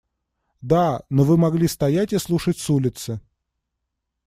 Да, но вы могли стоять и слушать с улицы.